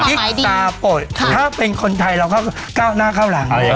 ตาปลดถ้าเป็นคนไทยเราก็ก้าวหน้าเข้าหลัง